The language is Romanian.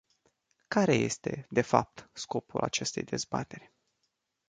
Care este, de fapt, scopul acestei dezbateri?